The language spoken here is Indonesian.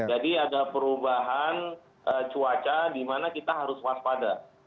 jadi ada perubahan cuaca di mana kita harus waspada